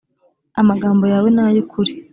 amagambo yawe ni ay’ukuri